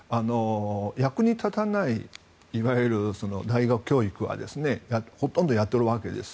役に立たないいわゆる大学教育はほとんどやっているわけです。